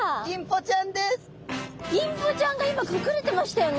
ギンポちゃんが今隠れてましたよね。